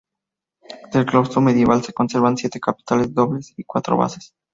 Del claustro medieval se conservan siete capiteles dobles y cuatro basas.